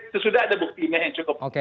sesudah ada buktinya yang cukup